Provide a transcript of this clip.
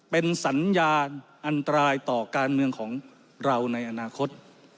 เป็นสัญญาณอันตรายต่อการเมืองของเราในอนาคต